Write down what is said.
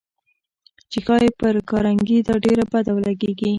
چې ښايي پر کارنګي دا ډېره بده ولګېږي.